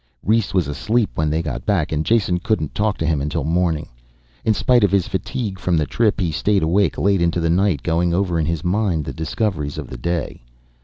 Rhes was asleep when they got back and Jason couldn't talk to him until morning. In spite of his fatigue from the trip, he stayed awake late into the night, going over in his mind the discoveries of the day.